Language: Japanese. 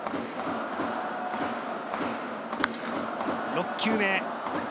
６球目。